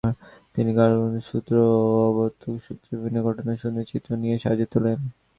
তিনি কারণ্ডব্যূহসূত্র ও অবতংসকসূত্রের বিভিন্ন ঘটনা সম্বন্ধীয় চিত্র দিয়ে সাজিয়ে তোলেন।